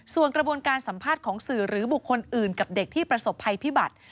ส่วนกระบวนการสัมภาษณ์ของสื่อหรือบุคคลอื่นกับเด็กที่ประสบภัยพิบัติ